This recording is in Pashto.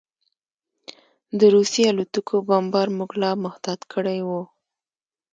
د روسي الوتکو بمبار موږ لا محتاط کړي وو